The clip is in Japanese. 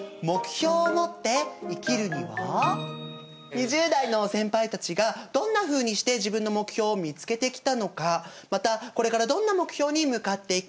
２０代の先輩たちがどんなふうにして自分の目標を見つけてきたのかまたこれからどんな目標に向かっていくのか。